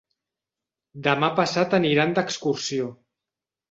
Demà passat aniran d'excursió.